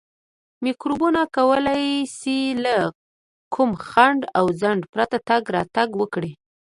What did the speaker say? میکروبونه کولای شي له کوم خنډ او ځنډ پرته تګ راتګ وکړي.